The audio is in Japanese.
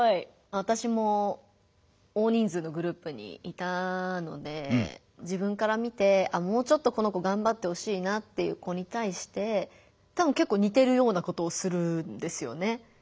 私も大人数のグループにいたので自分から見てあっもうちょっとこの子がんばってほしいなっていう子に対してたぶんけっこう似てるようなことをするんですよね。